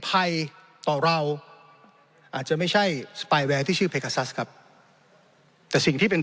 ภัยใต้รัฐบาลนี้พี่น้องประเทศชาติแน่นอน